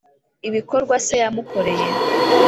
ibikorwa se yamukoreye.